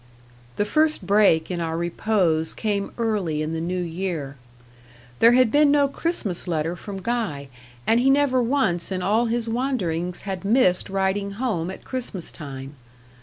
The first break in our repose came early in the new year. There had been no Christmas letter from Guy, and he never once in all his wanderings had missed writing home at Christmas time.